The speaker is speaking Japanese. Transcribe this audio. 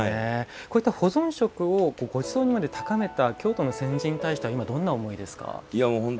こういった保存食をごちそうにまで高めた京都の先人については今、どういう思いですか？